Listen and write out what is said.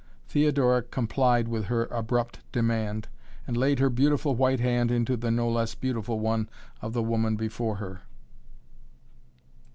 Theodora complied with her abrupt demand and laid her beautiful white hand into the no less beautiful one of the woman before her.